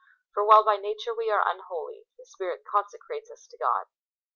For while by nature we are unholy, the Spirit consecrates us to God.